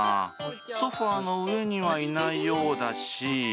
ソファの上にはいないようだし。